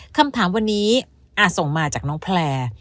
คำถามวันนี้อาจส่งมาจากน้องแพลร์